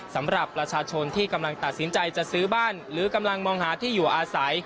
สำหรับประชาชนที่กำลังตัดสินใจจะซื้อบ้านหรือกำลังมองหาที่อยู่อาศัย